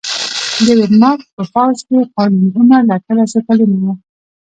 د ویرماخت په پوځ کې قانوني عمر له اتلسو کلونو و